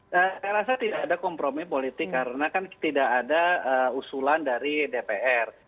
saya rasa tidak ada kompromi politik karena kan tidak ada usulan dari dpr